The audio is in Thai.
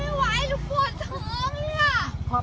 สวัสดีครับคุณพลาด